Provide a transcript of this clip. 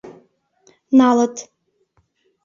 Налыт.